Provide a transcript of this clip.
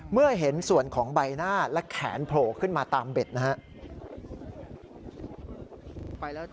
เมื่อเห็นส่วนของใบหน้าและแขนโผล่ขึ้นมาตามเบ็ดนะครับ